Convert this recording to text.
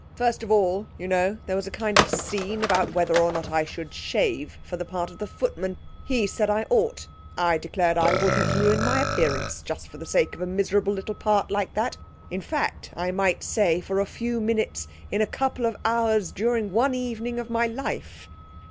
First of all, you know, there was a kind of scene about whether or not I should shave for the part of the footman. He said I ought. I declared I wouldn't ruin my appearance just for the sake of a miserable little part like that; in fact, I might say for a few minutes in a couple of hours during one evening in my life!